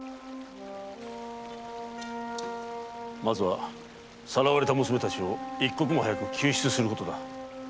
まずはさらわれた娘たちを一刻も早く救出することだ。